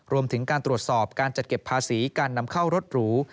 รวมถึงการตรวจสอบการจัดเก็บภาษีการนำเข้ารถหรู